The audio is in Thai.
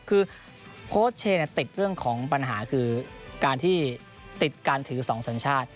คือโค้ชเชย์ติดเรื่องของปัญหาคือการที่ติดการถือ๒สัญชาติ